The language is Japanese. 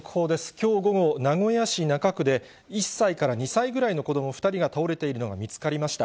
きょう午後、名古屋市中区で、１歳から２歳ぐらいの子ども２人が倒れているのが見つかりました。